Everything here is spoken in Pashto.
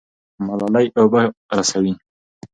ملالۍ اوبه رسوي.